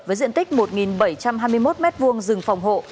với diện tích một bảy trăm hai mươi một m hai rừng phòng hộ